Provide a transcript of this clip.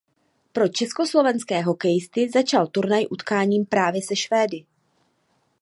Pro československé hokejisty začal turnaj utkáním právě se Švédy.